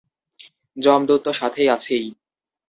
যমদূত তো সাথে আছেই।